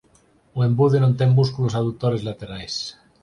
O embude non ten músculos adutores laterais.